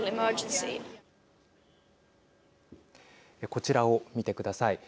こちらを見てください。